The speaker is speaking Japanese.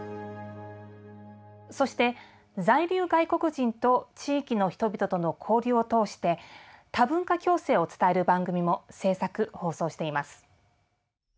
そして在留外国人と地域の人々との交流を通して多文化共生を伝える番組も制作放送しています。